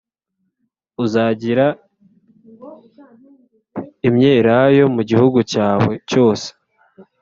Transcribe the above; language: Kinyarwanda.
uzagira imyelayo mu gihugu cyawe cyose